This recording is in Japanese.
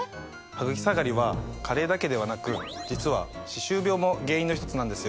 ハグキ下がりは加齢だけではなく実は歯周病も原因の一つなんですよ。